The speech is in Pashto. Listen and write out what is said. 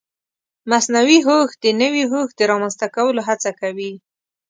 مصنوعي هوښ د نوي هوښ د رامنځته کولو هڅه کوي.